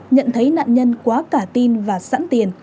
nhận thấy nạn nhân quá cả tin và sẵn tiền